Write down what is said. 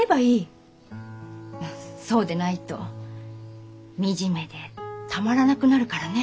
そうでないと惨めでたまらなくなるからね。